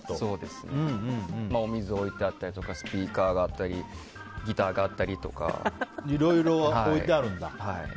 お水置いてあったりスピーカーあったりいろいろ置いてあるんだ。